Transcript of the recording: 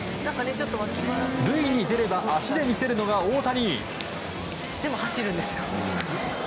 塁に出れば足で見せるのが大谷。